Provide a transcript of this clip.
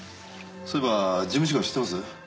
そういえば事務次官知ってます？